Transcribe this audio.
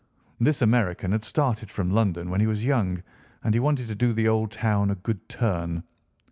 This American had started from London when he was young, and he wanted to do the old town a good turn.